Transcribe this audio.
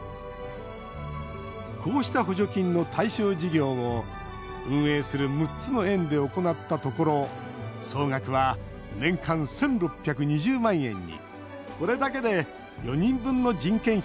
こうした補助金の対象事業を運営する６つの園で行ったところ総額は年間１６２０万円に。